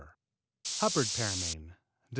Hubbard's Pearmain Dec.